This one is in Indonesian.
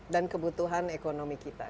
dan kebutuhan ekonomi kita